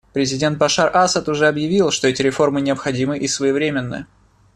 Президент Башар Асад уже объявил, что эти реформы необходимы и своевременны.